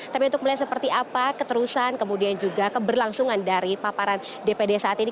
tapi untuk melihat seperti apa keterusan kemudian juga keberlangsungan dari paparan dpd saat ini